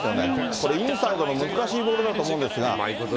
これインサイドの難しいボールだと思うんですが。